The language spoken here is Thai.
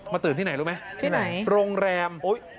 ตื่นที่ไหนรู้ไหมที่ไหนโรงแรม